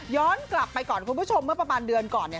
กลับไปก่อนคุณผู้ชมเมื่อประมาณเดือนก่อนเนี่ย